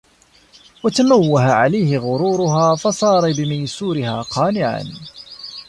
وَتَمَوَّهَ عَلَيْهِ غُرُورُهَا فَصَارَ بِمَيْسُورِهَا قَانِعًا